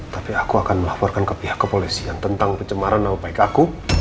tapi aku akan melaporkan ke pihak kepolisian tentang pencemaran nama baik aku